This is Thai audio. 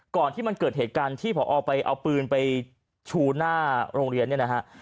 ก่อนที่มันเกิดเหตุการณ์ที่พอไปเอาปืนไปชูหน้าโรงเรียนเนี่ยนะฮะ